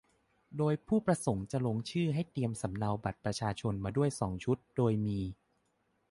โดยผู้ประสงค์จะลงชื่อ ให้เตรียมสำเนาบัตรประชาชนมาด้วยสองชุด โดยมี